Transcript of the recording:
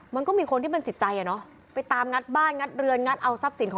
มันก็มีคนที่มันจิตใจเนอะ